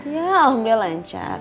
ya alhamdulillah lancar